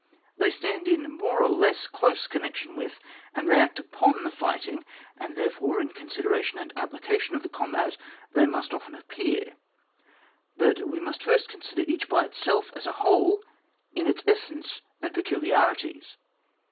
They stand in more or less dose connec tion with and react upon the fighting, and therefore, in considering the appli cation of the combat they must often appear ; but we must first consider each by itself, as a whole, in its essence and peculiarities.